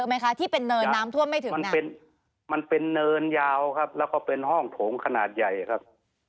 มันเป็นเนินยาวครับแล้วก็เป็นห้องโถงขนาดใหญ่ครับ